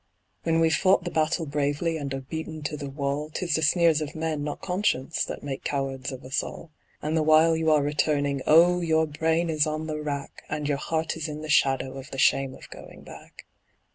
When we've fought the battle bravely and are beaten to the wall, 'Tis the sneers of men, not conscience, that make cowards of us all; And the while you are returning, oh! your brain is on the rack, And your heart is in the shadow of the shame of going back.